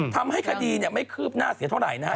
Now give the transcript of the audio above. ทำให้คดีไม่คืบหน้าเสียเท่าไหร่นะฮะ